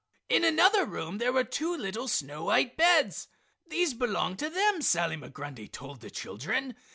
In another room were two little snow white beds. These belonged to them, Sally Migrundy told the children.